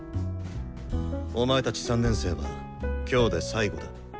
お前たち３年生は今日で最後だ。